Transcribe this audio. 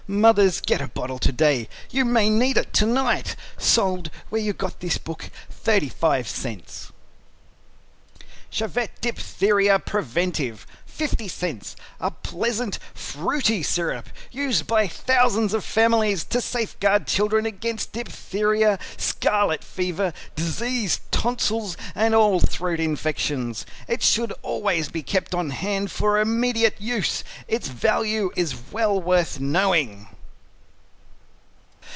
Mothers, get a bottle to day, you may need it to night. Sold where you got this book. 35c CHAVETT DIPHTHERIA PREVENTIVE 50 Cents A pleasant fruity syrup, used by thousands of families to safeguard children against Diphtheria, Scarlet Fever, Diseased Tonsils and all throat infections. It should always be kept on hand for immediate use. Its value is well worth knowing.